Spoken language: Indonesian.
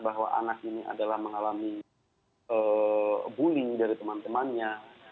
bahwa anak ini adalah mengalami bullying dari teman temannya